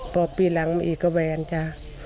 เปล่าปีหลังมีอีกก็แวร์นจ้ะ